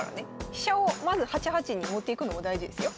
飛車をまず８八に持っていくのも大事ですよ。